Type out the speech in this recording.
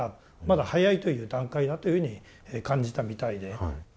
まだ早いという段階だというふうに感じたみたいで。